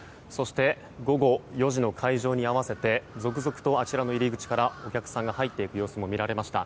午後４時の開場に合わせて続々とあちらの入り口からお客さんが入っていく様子も見られました。